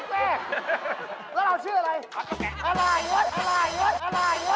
แล้วเราชื่ออะไร